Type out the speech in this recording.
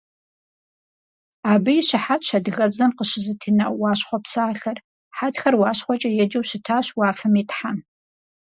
Абы и щыхьэтщ адыгэбзэм къыщызэтена «уащхъуэ» псалъэр: хьэтхэр УащхъуэкӀэ еджэу щытащ уафэм и тхьэм.